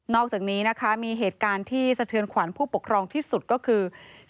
อกจากนี้นะคะมีเหตุการณ์ที่สะเทือนขวัญผู้ปกครองที่สุดก็คือ